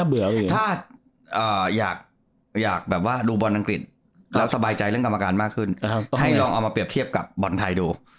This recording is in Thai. แล้วสบายใจเรื่องกรรมการมากขึ้นให้ลองเอามาเปรียบเทียบกับบอลไทดู